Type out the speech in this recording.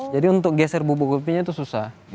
jadi untuk geser bubu kopinya itu susah